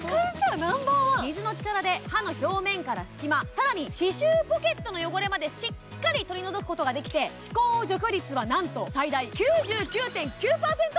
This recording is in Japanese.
水の力で歯の表面から隙間、更に歯周ポケットの汚れまでしっかり取り除くことができて歯垢除去率は最大９９．９％。